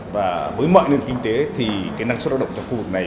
và với mọi nền kinh tế thì năng suất lao động trong khu vực này